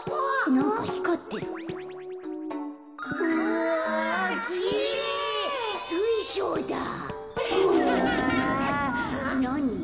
なに？